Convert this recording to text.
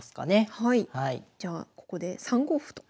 じゃあここで３五歩と。